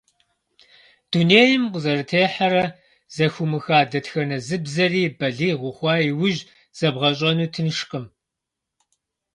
Дунейм укъызэрытехьэрэ зэхыумыха дэтхэнэ зы бзэри балигъ ухъуа иужь зэбгъэщӀэну тыншкъым.